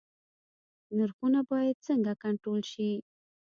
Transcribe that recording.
نرخونه باید څنګه کنټرول شي؟